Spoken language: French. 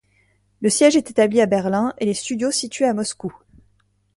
Le siège est établi à Berlin et les studios situés à Moscou.